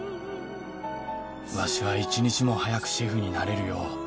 「わしは一日も早くシェフになれるよう」